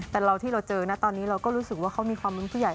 แต่เราที่เราเจอนะตอนนี้เราก็รู้สึกว่าเขามีความเป็นผู้ใหญ่